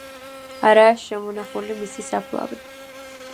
არაა შემონახული მისი საფლავი.